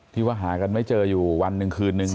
ที่ว่าหากันไม่เจออยู่วันหนึ่งคืนนึง